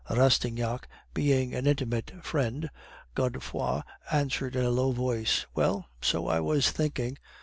"Rastignac being an intimate friend, Godefroid answered in a low voice, 'Well, so I was thinking.